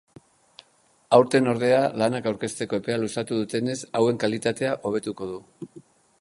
Aurten ordea lanak aurkezteko epea luzatu dutenez, hauen kalitatea hobetuko du.